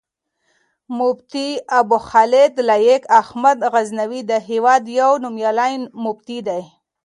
مفتي ابوخالد لائق احمد غزنوي، د هېواد يو نوميالی مفتی دی